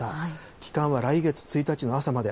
期間は来月１日の朝まで。